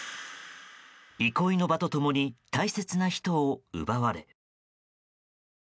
憩いの場と共に大切な人を奪われ。